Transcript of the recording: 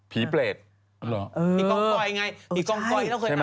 มีก้องกลอยไง